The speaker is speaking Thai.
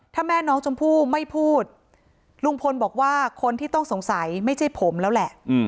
ถ้าแม่น้องชมพู่ไม่พูดลุงพลบอกว่าคนที่ต้องสงสัยไม่ใช่ผมแล้วแหละ